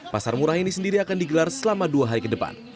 pasar murah ini sendiri akan digelar selama dua hari ke depan